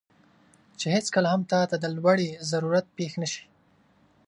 چې هیڅکله هم تاته د لوړې ضرورت پېښ نه شي،